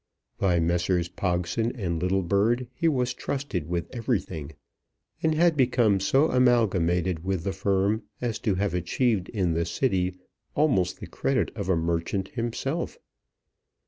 By Messrs. Pogson and Littlebird he was trusted with everything, and had become so amalgamated with the firm as to have achieved in the City almost the credit of a merchant himself.